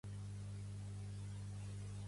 Pertany al moviment independentista la Yesica?